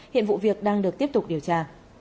hiện vụ việc đang được tiếp tục điều tra